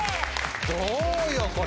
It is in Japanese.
・どうよこれ